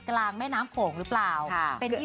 กลางแม่นก็คืออันที่นี่